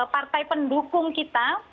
partai pendukung kita